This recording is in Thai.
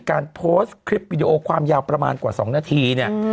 การโพสต์คลิปวิดีโอความยาวประมาณกว่า๒นาทีเนี่ย